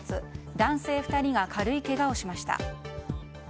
男性２人が軽いけがをしました。